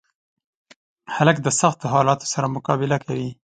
هلک د سختو حالاتو سره مقابله کوي.